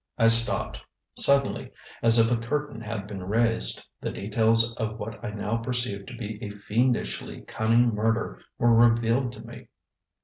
ŌĆØ I stopped. Suddenly, as if a curtain had been raised, the details of what I now perceived to be a fiendishly cunning murder were revealed to me.